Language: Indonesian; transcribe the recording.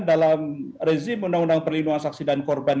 dalam rezim undang undang perlindungan saksi dan korban